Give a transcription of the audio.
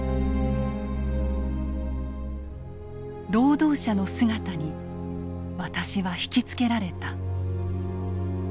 「労働者の姿に私はひきつけられた。